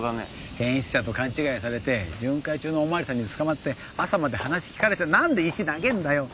変質者と勘違いされて巡回中のお巡りさんに捕まって朝まで話聞かれて何で石投げんだよ！